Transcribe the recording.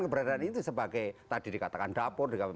keberadaan itu sebagai tadi dikatakan dapur dikatakan